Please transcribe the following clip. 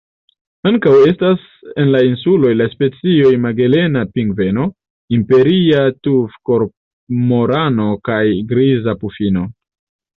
Ankaŭ estas en la insuloj la specioj Magelana pingveno, Imperia tufkormorano kaj Griza pufino.